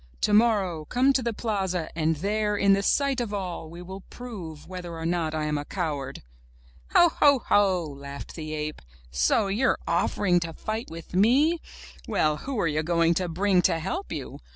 ''Tomorrow come to the plaza and there, in the sight of all, we will prove whether or not I am a coward!" '*Ho, ho, ho!" laughed the ape, *'so you're offering to fight with me? Well, who are you going to bring to help you?